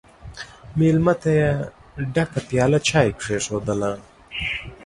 مېلمه ته یې ډکه پیاله چای کښېښودله!